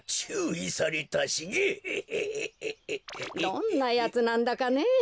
どんなやつなんだかねえ？